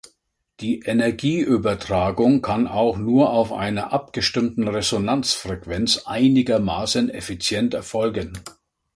Die Energieübertragung kann auch nur auf einer abgestimmten Resonanzfrequenz einigermaßen effizient erfolgen.